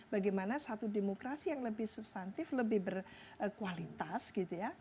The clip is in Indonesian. bagaimana satu demokrasi yang lebih substantif lebih berkualitas gitu ya